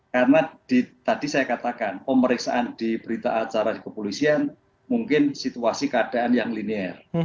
karena tadi saya katakan pemeriksaan di berita acara kepolisian mungkin situasi keadaan yang linier